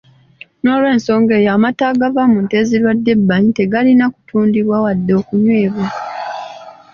N’olw’ensonga eyo amata agava mu nte ezirwadde ebbanyi tegalina kutundibwa wadde okunywebwa.